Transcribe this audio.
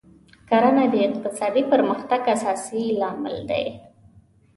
کرنه د اقتصادي پرمختګ اساسي لامل دی.